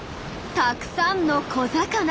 たくさんの小魚。